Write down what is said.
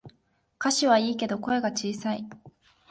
歌詞はいいけど声が小さい